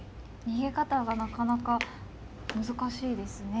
逃げ方がなかなか難しいですね。